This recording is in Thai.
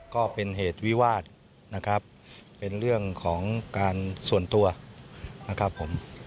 ก็เป็นเหตุวิวาสนะครับเป็นเรื่องของการส่วนตัวนะครับผม